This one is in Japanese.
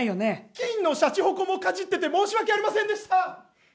金のしゃちほこもかじってて申し訳ありませんでした！